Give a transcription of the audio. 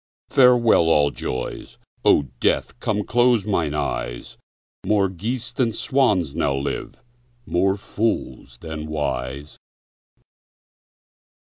Farewell, all joys; O Death, come close mine eyes; More geese than swans now live, more fools than wise.